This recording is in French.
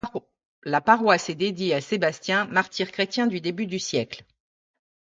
La paroisse est dédiée à Sébastien, martyr chrétien du début du siècle.